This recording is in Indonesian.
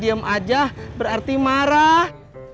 pinjem aja berarti marah